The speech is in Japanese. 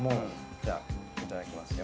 じゃあいただきますよ。